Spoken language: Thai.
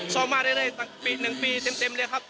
ซ้อมมาเรื่อยตั้งปี๑ปีเต็มเลยครับ